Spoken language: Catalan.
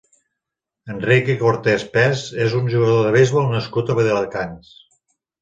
Enrique Cortés Pes és un jugador de beisbol nascut a Viladecans.